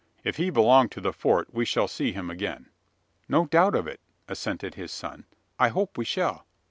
If he belong to the Fort, we shall see him again." "No doubt of it," assented his son. "I hope we shall."